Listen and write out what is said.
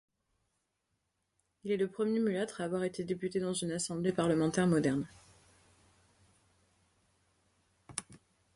Il est le premier mulâtre à avoir été député dans une Assemblée parlementaire moderne.